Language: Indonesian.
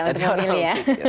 nanti orang berpikir